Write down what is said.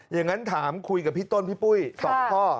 อย่างนั้นถามคุยกับพี่ต้นพี่ปุ้ย๒ข้อ